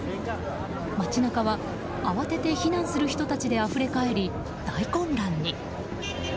街中は慌てて避難する人たちであふれ返り、大混乱に。